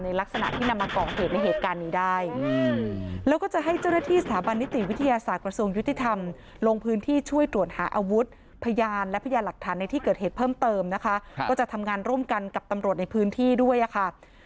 ในลักษณะที่นำมากรองเหตุในเหตุการณ์นี้ได้